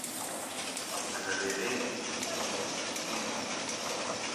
mana devenki kuchit chutkichiyta